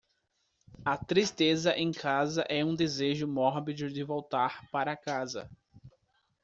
A tristeza em casa é um desejo mórbido de voltar para casa.